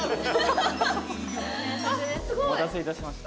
お待たせいたしました。